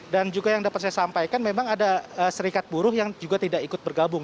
dan juga yang dapat saya sampaikan memang ada serikat buruh yang juga tidak ikut bergabung